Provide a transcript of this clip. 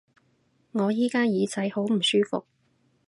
我而家耳仔好唔舒服